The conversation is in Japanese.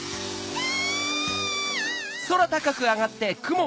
キャ！